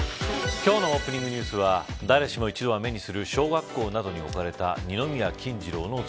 今日のオープニングニュースは誰しも一度は目にする小学校などに置かれた二宮金次郎